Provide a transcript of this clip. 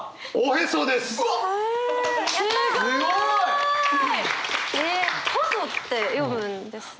すごい！えっ臍って読むんですね。